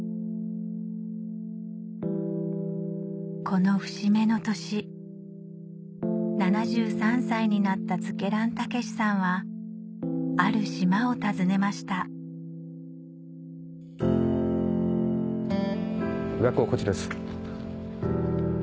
この節目の年７３歳になった瑞慶覧武さんはある島を訪ねました学校こちらです。